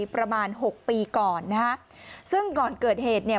ประมาณหกปีก่อนนะฮะซึ่งก่อนเกิดเหตุเนี่ย